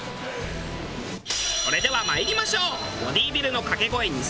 それでは参りましょう。